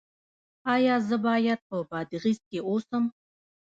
ایا زه باید په بادغیس کې اوسم؟